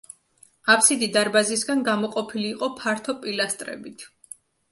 აფსიდი დარბაზისგან გამოყოფილი იყო ფართო პილასტრებით.